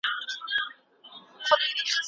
ښوونځي زدهکوونکو ته د تخلیق فکر ورکوي.